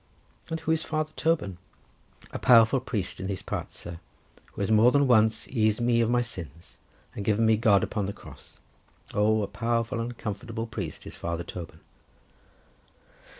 "And who is Father Toban?" "A powerful priest in these parts, sir, who has more than once eased me of my sins, and given me God upon the cross. Oh, a powerful and comfortable priest is Father Toban."